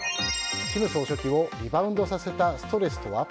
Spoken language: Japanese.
金総書記をリバウンドさせたストレスとは？